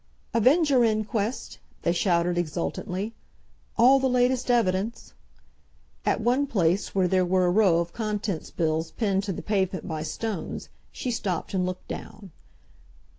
"Avenger Inquest?" they shouted exultantly. "All the latest evidence!" At one place, where there were a row of contents bills pinned to the pavement by stones, she stopped and looked down.